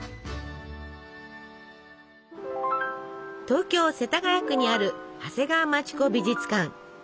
東京・世田谷区にある長谷川町子美術館。